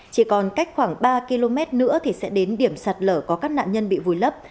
chỉ còn cách khoảng ba km nữa thì sẽ đến điểm sạt lở có các nạn nhân bị vùi lấp